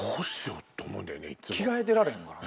着替えてられへんからな。